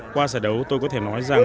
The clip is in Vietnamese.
qua giải đấu tôi có thể nói rằng